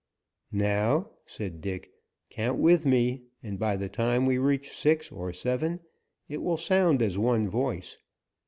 "Now," said Dick, "count with me, and by the time we reach six or seven it will sound as one voice.